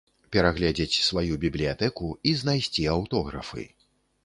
Перагледзець сваю бібліятэку і знайсці аўтографы.